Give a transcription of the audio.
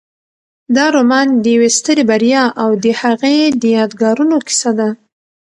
دا رومان د یوې سترې بریا او د هغې د یادګارونو کیسه ده.